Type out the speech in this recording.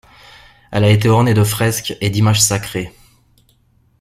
Elle a été ornée de fresques et d'images sacrées.